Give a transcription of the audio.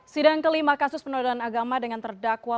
sidang kelima kasus penodaan agama dengan terdakwa